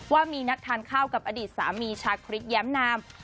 ว่ามีนัดทานข้าวกับอดีตสามีชาคริสแย้มนาม